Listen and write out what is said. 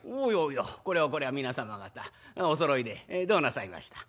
これはこれは皆様方おそろいでどうなさいました？」。